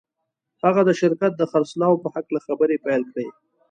هغه د شرکت د خرڅلاو په هکله خبرې پیل کړې